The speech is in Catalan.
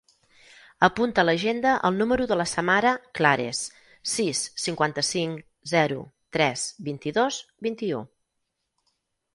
Apunta a l'agenda el número de la Samara Clares: sis, cinquanta-cinc, zero, tres, vint-i-dos, vint-i-u.